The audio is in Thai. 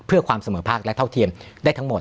เพื่อความเสมอภาคและเท่าเทียมได้ทั้งหมด